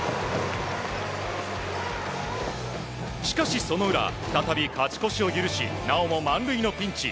しかし、その裏再び勝ち越しを許しなおも満塁のピンチ。